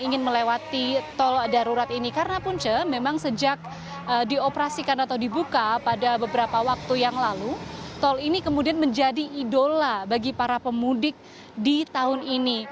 ingin melewati tol darurat ini karena punca memang sejak dioperasikan atau dibuka pada beberapa waktu yang lalu tol ini kemudian menjadi idola bagi para pemudik di tahun ini